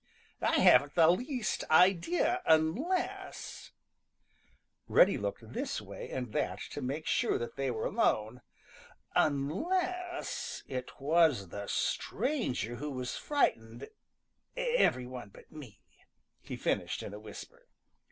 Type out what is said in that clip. "I haven't the least idea unless " Reddy looked this way and that to make sure that they were alone "unless it was the stranger who has frightened every one but me," he finished in a whisper.